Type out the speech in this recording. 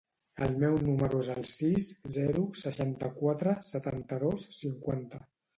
El meu número es el sis, zero, seixanta-quatre, setanta-dos, cinquanta.